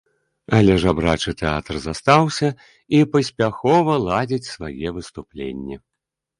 Але жабрачы тэатр застаўся і паспяхова ладзіць свае выступленні.